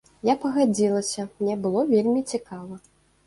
Я пагадзілася, мне было вельмі цікава.